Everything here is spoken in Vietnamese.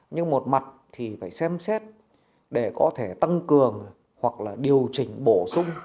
nhưng một mặt thì phải xem xét để có thể tăng cường hoặc là điều chỉnh bổ sung